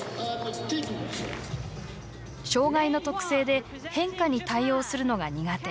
障がいの特性で変化に対応するのが苦手。